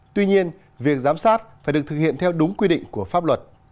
tuy nhiên việc giám sát phải được thực hiện theo đúng quy định của pháp luật